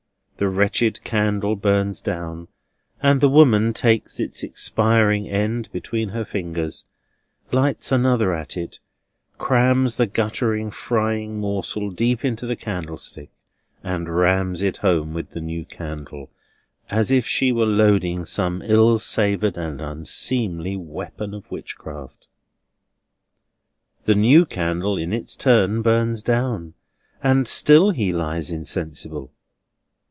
The wretched candle burns down; the woman takes its expiring end between her fingers, lights another at it, crams the guttering frying morsel deep into the candlestick, and rams it home with the new candle, as if she were loading some ill savoured and unseemly weapon of witchcraft; the new candle in its turn burns down; and still he lies insensible.